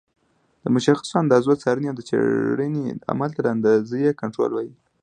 د مشخصو اندازو څارنې او څېړنې عمل ته د اندازې کنټرول وایي.